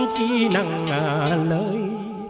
chỉ nặng lời